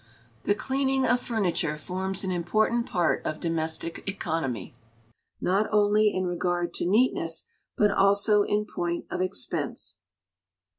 The cleaning of furniture forms an important part of domestic economy, not only in regard to neatness, but also in point of expense.